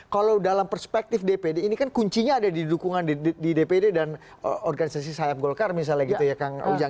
kalau dalam perspektif dpd ini kan kuncinya ada di dukungan di dpd dan organisasi sayap golkar misalnya